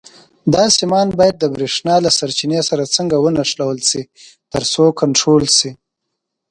دا سیمان باید د برېښنا له سرچینې سره څنګه ونښلول شي ترڅو کنټرول شي.